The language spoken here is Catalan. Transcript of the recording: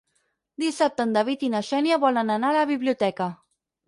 Dissabte en David i na Xènia volen anar a la biblioteca.